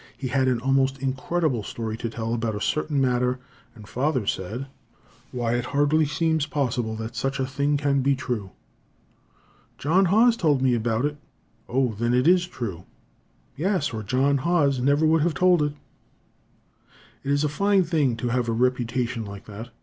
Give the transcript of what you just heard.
He had an almost incredible story to tell about a certain matter, and father said: "Why, it hardly seems possible that such a thing can be true." "John Haws told me about it." "O, then it is true!" "Yes, or John Haws never would have told it." It is a fine thing to have a reputation like that.